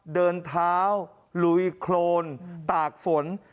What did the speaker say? เดินเท้าลุยโครนตากฝน